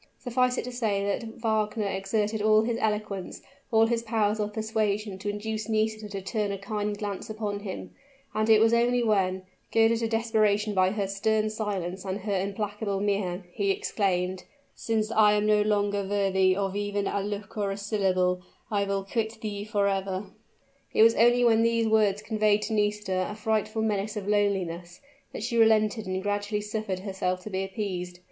Suffice it to say that Wagner exerted all his eloquence, all his powers of persuasion to induce Nisida to turn a kind glance upon him; and it was only when, goaded to desperation by her stern silence and her implacable mien, he exclaimed, "Since I am no longer worthy of even a look or a syllable, I will quit thee forever!" It was only when these words conveyed to Nisida a frightful menace of loneliness, that she relented and gradually suffered herself to be appeased.